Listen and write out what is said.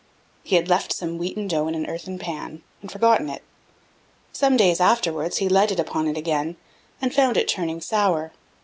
He had left some wheaten dough in an earthen pan, and forgotten it; some days afterwards, he lighted upon it again, and found it turning sour.